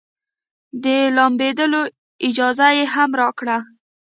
د لامبېدلو اجازه يې هم راکړه.